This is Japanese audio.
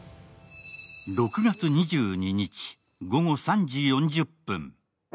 ６月２２日、午後３時４０分。